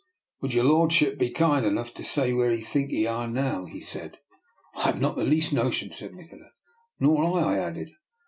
" Would your lordship be kind enough to say where 'ee think 'ee are now? " he said. " I have not the least notion," said Nikola. " Nor I,'' I added.